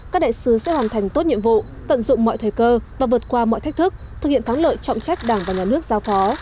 các đại sứ sẽ hoàn thành tốt nhiệm vụ tận dụng mọi thời cơ và vượt qua mọi thách thức thực hiện thắng lợi trọng trách đảng và nhà nước giao phó